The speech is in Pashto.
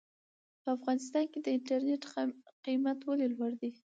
په افغانستان کې د انټرنېټ قيمت ولې لوړ دی ؟